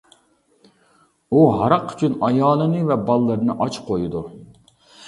ئۇ ھاراق ئۈچۈن ئايالىنى ۋە بالىلىرىنى ئاچ قويىدۇ.